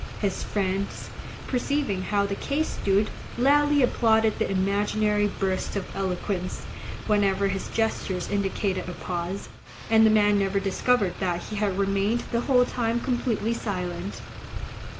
His friends, perceiving how the case stood, loudly applauded the imaginary bursts of eloquence, whenever his gestures indicated a pause, and the man never discovered that he had remained the whole time completely silent.